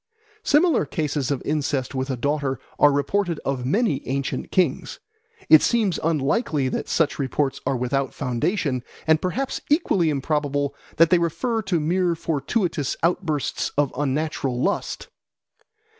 Similar cases of incest with a daughter are reported of many ancient kings. It seems unlikely that such reports are without foundation, and perhaps equally improbable that they refer to mere fortuitous outbursts of unnatural lust.